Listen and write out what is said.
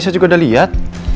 saya juga udah liat